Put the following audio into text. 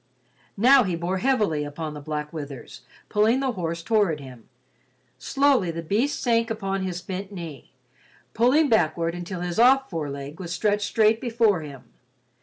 Now he bore heavily upon the black withers, pulling the horse toward him. Slowly the beast sank upon his bent knee—pulling backward until his off fore leg was stretched straight before him.